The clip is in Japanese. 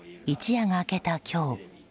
一夜が明けた今日